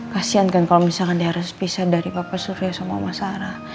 kasian kan kalo misalkan dia harus pisah dari papa sufriah sama mama sarah